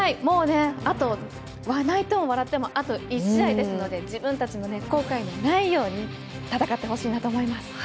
あと泣いても笑ってもあと１試合なので自分たちの後悔のないように戦ってほしいなと思います。